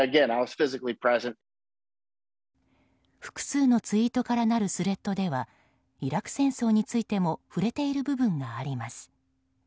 複数のツイートからなるスレッドではイラク戦争についても触れている部分があります。